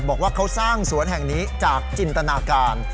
บอกว่าเขาสร้างสวนแห่งนี้จากจินตนาการ